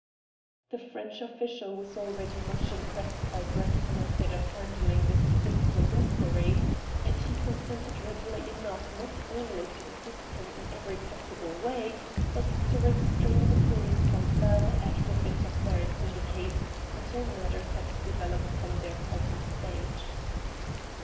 The French official was already much impressed by Brett's method of handling this difficult inquiry, and he consented readily enough not only to assist him in every possible way, but to restrain the police from further active interference in the case until matters had developed from their present stage.